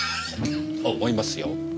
思いますよ。